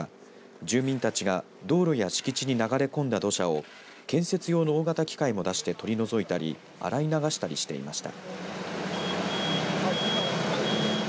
住民たちが道路や敷地に流れ込んだ土砂を建設用の大型機械を出して取り除いたり洗い流したりしていました。